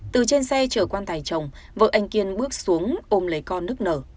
từ trên xe chở quan tài chồng vợ anh kiên bước xuống ôm lấy con nước nở